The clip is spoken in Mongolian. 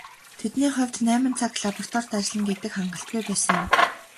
Тэдний хувьд найман цаг лабораторид ажиллана гэдэг хангалтгүй байсан юм.